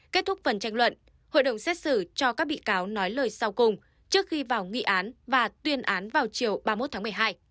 kết thúc phần tranh luận hội đồng xét xử cho các bị cáo nói lời sau cùng trước khi vào nghị án và tuyên án vào chiều ba mươi một tháng một mươi hai